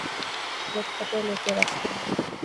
কাগজপত্র লুকিয়ে রাখতাম।